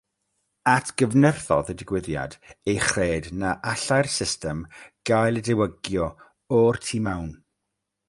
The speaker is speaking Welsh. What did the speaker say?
Atgyfnerthodd y digwyddiad ei chred na allai'r system gael ei diwygio o'r tu mewn.